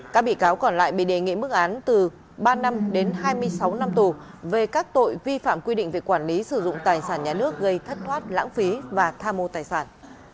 các bị cáo còn lại bị đề nghị mức án từ ba năm đến hai mươi sáu năm tù về các tội vi phạm quy định về quản lý sử dụng tài sản nhà nước gây thất thoát lãng phí và tham mô tài sản